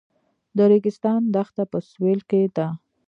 د ریګستان دښته په سویل کې ده